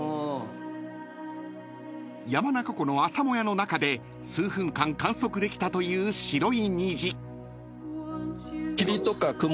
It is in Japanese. ［山中湖の朝もやの中で数分間観測できたという白い虹］